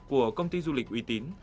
của công ty du lịch uy tín